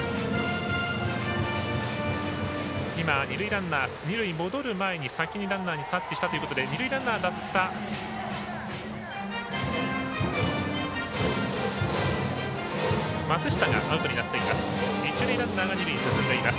今、二塁ランナー、二塁戻る前に先にランナーにタッチしたということで二塁ランナーだった松下がアウトになっています。